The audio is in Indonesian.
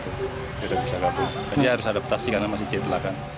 jadi harus adaptasi karena masih cerita lagu